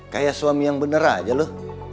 kayak suami yang bener aja loh